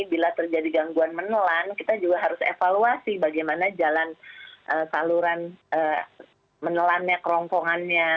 bila terjadi gangguan menelan kita juga harus evaluasi bagaimana jalan saluran menelannya kerongkongannya